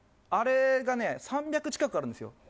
あれがね３００近くあるんですよ。